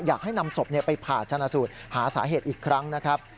อยากให้นำศพไปผ่าชนะสูตรหาสาเหตุอีกครั้งนะครับ